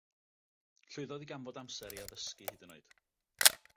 Llwyddodd i ganfod amser i addysgu hyd yn oed.